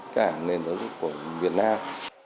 cả nền giáo dục của việt nam